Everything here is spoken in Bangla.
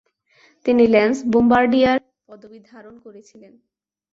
তিনি ল্যান্স বোম্বার্ডিয়ার পদবী ধারণ করেছিলেন।